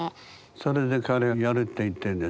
それで彼はやるって言ってるんですか？